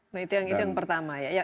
nah itu yang pertama ya